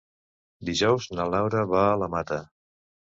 Dijous na Laura va a la Mata.